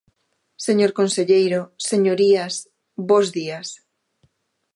Señor conselleiro, señorías, bos días.